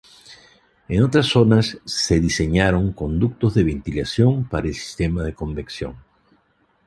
En otras zonas se diseñaron conductos de ventilación para el sistema de convección.